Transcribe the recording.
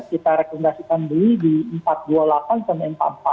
kita rekomendasikan beli di rp empat ratus dua puluh delapan sampai rp empat ratus empat puluh